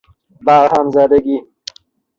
بر هم زدگی